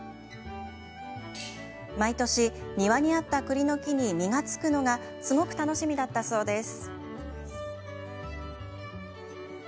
毎年、庭にあった栗の木に実が付くのがすごく楽しみだったそうです。